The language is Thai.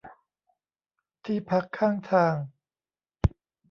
ที่พักข้างทาง